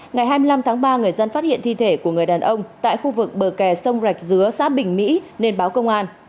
ngày hai mươi năm tháng ba người dân phát hiện thi thể của người đàn ông tại khu vực bờ kè sông rạch dứa xã bình mỹ nên báo công an